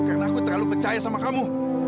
karena aku terlalu percaya sama kamu